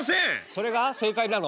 それが正解なの？